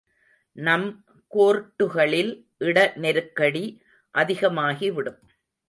நம் கோர்ட்டுகளில் இட நெருக்கடி அதிகமாகிவிடும்.